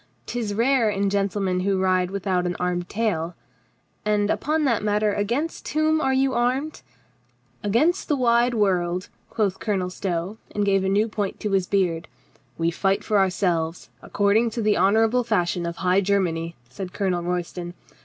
" 'Tis rare in gentlemen who ride with an armed tail. And upon that matter — against whom are you armed ?" "Against the wide world," quoth Colonel Stow, and gave a new point to his beard. "We fight for ourselves, according to the honor able fashion of High Germany," said Colonel Roy ston.